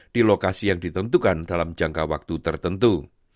di lokasi yang ditentukan dalam jangka waktu tertentu